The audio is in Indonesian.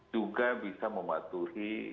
juga bisa mematuhi